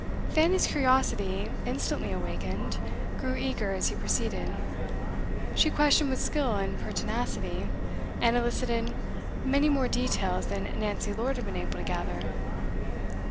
Fanny's curiosity, instantly awakened, grew eager as he proceeded. She questioned with skill and pertinacity, and elicited many more details than Nancy Lord had been able to gather.